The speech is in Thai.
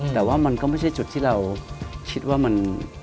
แต่ว่ามันก็ไม่ใช่จุดที่เราคิดว่ามัน